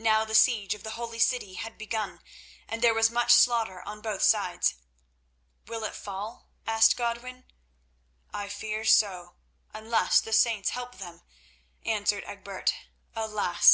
Now the siege of the holy city had begun, and there was much slaughter on both sides. "Will it fall?" asked Godwin. "I fear so, unless the saints help them," answered Egbert. "Alas!